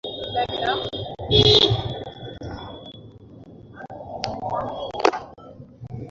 বেশ, এটাও বলেছিল যে চুরি করা খুব, খুব খারাপ।